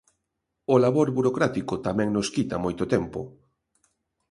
O labor burocrático tamén nos quita moito tempo.